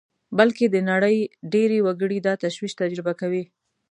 بلکې د نړۍ ډېری وګړي دا تشویش تجربه کوي